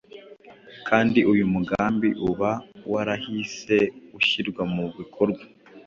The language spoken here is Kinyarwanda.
kandi uyu mugambi uba warahise ushyirwa mu bikorwa